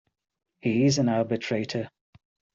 He is an arbitrator.